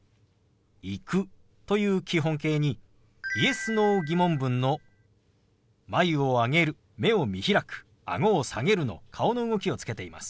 「行く」という基本形にＹｅｓ−Ｎｏ疑問文の眉を上げる目を見開くあごを下げるの顔の動きをつけています。